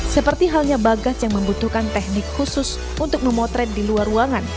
seperti halnya bagas yang membutuhkan teknik khusus untuk memotret di luar ruangan